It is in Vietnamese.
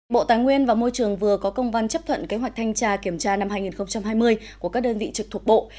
bộ tài nguyên và môi trường vừa có công văn chấp thuận kế hoạch thanh tra kiểm tra năm hai nghìn hai mươi của các đơn vị trực thuộc bộ